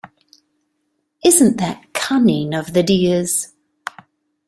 Isn't that cunning of the dears?